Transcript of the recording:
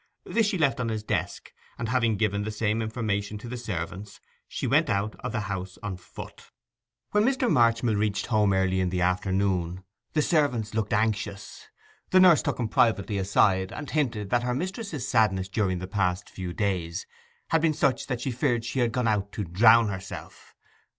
This she left on his desk, and having given the same information to the servants, went out of the house on foot. When Mr. Marchmill reached home early in the afternoon the servants looked anxious. The nurse took him privately aside, and hinted that her mistress's sadness during the past few days had been such that she feared she had gone out to drown herself.